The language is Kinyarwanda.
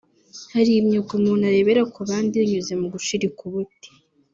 hari imyuga umuntu arebera ku bandi binyuze mu gushirika ubute